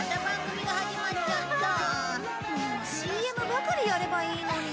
ＣＭばかりやればいいのに。